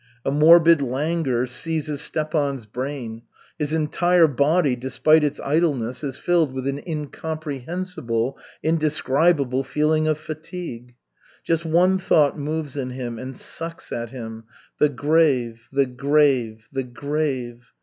A morbid languor seizes Stepan's brain; his entire body, despite its idleness, is filled with an incomprehensible, indescribable feeling of fatigue. Just one thought moves in him and sucks at him the grave, the grave, the grave!